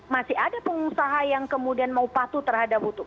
masih ada pengusaha yang kemudian mau patuh terhadap itu